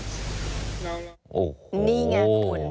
นี่ไงคุณ